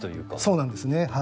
そうなんですね。